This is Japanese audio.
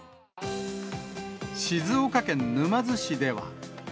静岡県沼津市では。